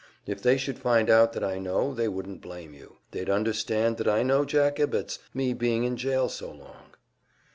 If they should find out that I know, they wouldn't blame you; they'd understand that I know Jack Ibbetts me being in jail so long."